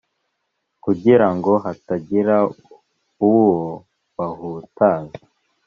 kugira ngo hatagira uwo bahutaza.